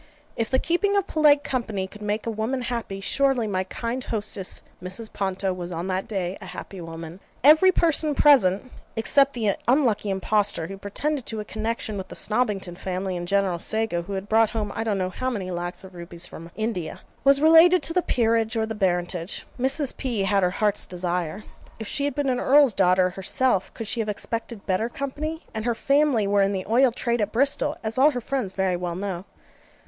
If the keeping of polite company could make a woman happy, surely my kind hostess Mrs. Ponto was on that day a happy woman. Every person present (except the unlucky impostor who pretended to a connexion with the Snobbington Family, and General Sago, who had brought home I don't know how many lacs of rupees from India,) was related to the Peerage or the Baronetage. Mrs. P. had her heart's desire. If she had been an Earl's daughter herself could she have expected better company? and her family were in the oil trade at Bristol, as all her friends very well know.